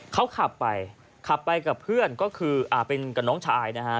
เขาขับไปขับไปกับเพื่อนก็คืออ่าเป็นกับน้องชายนะฮะ